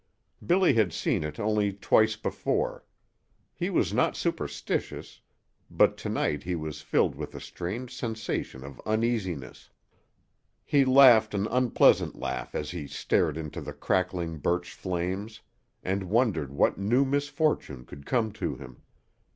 Billy had seen it only twice before. He was not superstitious, but to night he was filled with a strange sensation of uneasiness. He laughed an unpleasant laugh as he stared into the crackling birch flames and wondered what new misfortune could come to him.